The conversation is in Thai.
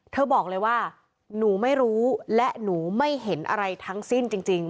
เธอบอกเลยว่าหนูไม่รู้และหนูไม่เห็นอะไรทั้งสิ้นจริง